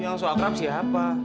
yang soal krab siapa